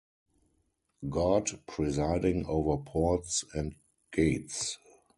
God presiding over ports and gates.